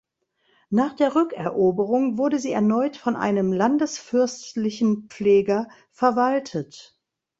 Nach der Rückeroberung wurde sie erneut von einem landesfürstlichen Pfleger verwaltet.